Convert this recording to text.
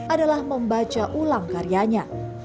adalah membaca ulang karyanya